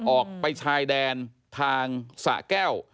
ออกไปชายแดนทางสะแก้ว